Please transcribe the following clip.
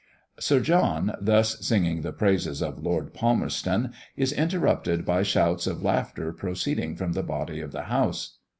Sir John, thus singing the praises of Lord Palmerston, is interrupted by shouts of laughter proceeding from the body of the House.